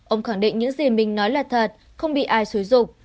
ông khẳng định những gì mình nói là thật không bị ai xối rục